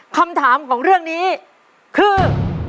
คำถามของเรื่องนี้คือ